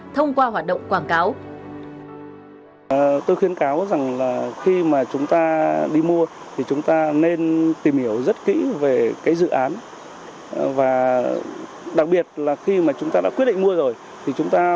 thông qua hoạt động